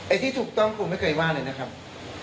ที่ถูกต้องครูไม่เคยว่าเลยนะครับ